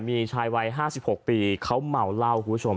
มีชายวัย๕๖ปีเขาเมาเหล้าแบบพูดใหญ่ให้คุณผู้ชม